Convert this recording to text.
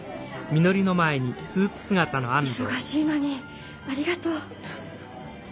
忙しいのにありがとう。